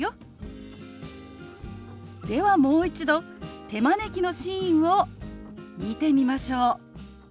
ではもう一度手招きのシーンを見てみましょう。